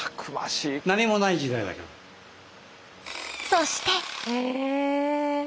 そして。